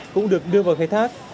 cũng được đưa vào khai thác